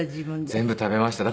全部食べました。